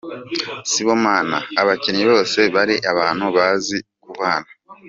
Sibomana: Abakinnyi bose bari abantu bazi kubana.